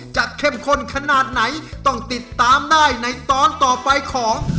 เข้มข้นขนาดไหนต้องติดตามได้ในตอนต่อไปของ